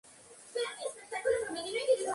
Al igual que con "Sandinista!